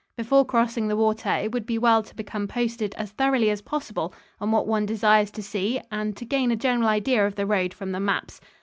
Before crossing the water, it would be well to become posted as thoroughly as possible on what one desires to see and to gain a general idea of the road from the maps.